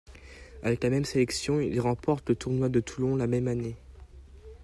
Avec la même sélection il remporte le tournoi de Toulon la même année.